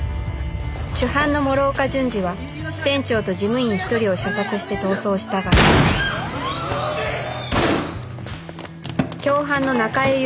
主犯の諸岡順次は支店長と事務員一人を射殺して逃走したが共犯の中江雄